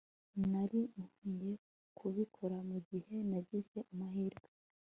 Nari nkwiye kubikora mugihe nagize amahirwe